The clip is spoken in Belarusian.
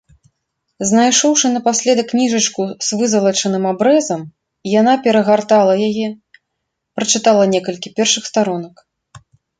Знайшоўшы напаследак кніжачку з вызалачаным абрэзам, яна перагартала яе, прачытала некалькі першых старонак.